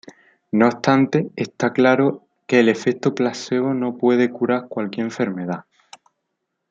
No obstante, está claro que el efecto placebo no puede curar cualquier enfermedad.